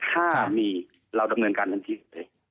ถ้ามีเราดำเนินการทันทีเลย